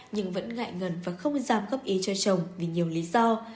nhưng vẫn ngại ngần và không dám góp ý cho chồng vì nhiều lý do